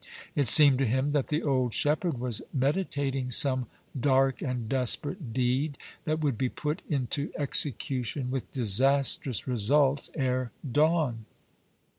It seemed to him that the old shepherd was meditating some dark and desperate deed that would be put into execution with disastrous results ere dawn.